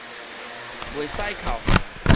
袂使哭